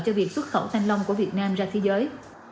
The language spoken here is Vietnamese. cho việc xuất khẩu thanh long của việt nam ra thế giới